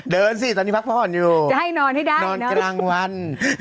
สิตอนนี้พักผ่อนอยู่จะให้นอนให้ได้นอนกลางวัน